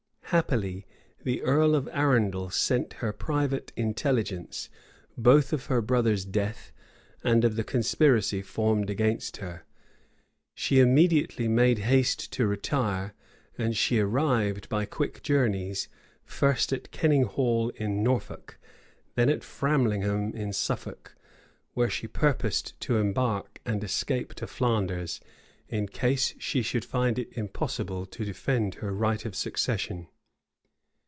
Happily, the earl of Arundel sent her private intelligence, both of her brother's death, and of the conspiracy formed against her;[] she immediately made haste to retire; and she arrived, by quick journeys, first at Kenning Hall in Norfolk, then at Framlingham in Suffolk; where she purposed to embark and escape to Flanders, in case she should find it impossible to defend her right of succession.